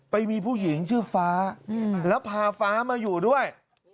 ไปมีผู้หญิงชื่อฟ้าแล้วพาฟ้ามาอยู่ด้วย